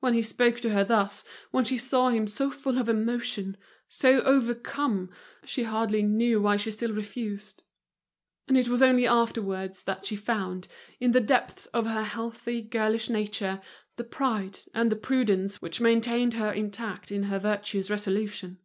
When he spoke to her thus, when she saw him so full of emotion, so overcome, she hardly knew why she still refused; and it was only afterwards that she found, in the depths of her healthy, girlish nature, the pride and the prudence which maintained her intact in her virtuous resolution.